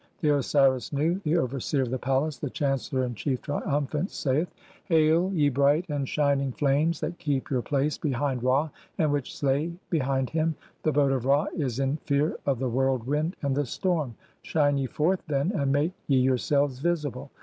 The Osiris Nu, the overseer of the palace, the chancellor in chief, triumphant, saith :— "[Hail], ye bright and shining flames that keep your place 'behind Ra, and which slay (3) behind him, the boat of Ra is 'in fear of the whirlwind and the storm ; shine ye forth, then, 'and make [ye yourselves] visible.